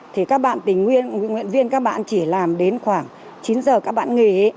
thì các bạn tình nguyên nguyện viên các bạn chỉ làm đến khoảng chín giờ các bạn nghỉ